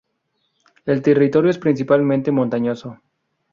El territorio es principalmente montañoso.